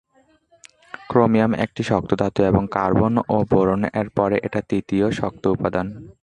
Chromium একটি শক্ত ধাতু এবং কার্বন ও বোরন এর পরে এটা তৃতীয় শক্ত উপাদান।